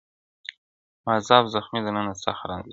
او عذاب زغمي دننه سخت رنځ لري